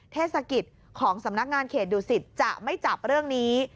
เทศกิจของสำนักงานเขตดุสิตจะไม่จับเรื่องนี้